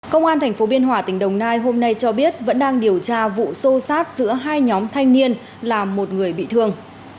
công an tp biên hòa tỉnh đồng nai hôm nay cho biết vẫn đang điều tra vụ xô xát giữa hai nhóm thanh niên là một người bị thương